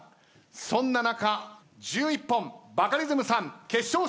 そんな中１１本バカリズムさん決勝進出決定です！